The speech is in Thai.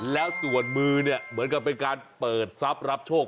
แล้วส่วนมือเนี่ยเหมือนกับเป็นการเปิดทรัพย์รับโชค